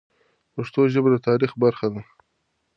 پښتو ژبه د تاریخ برخه ده.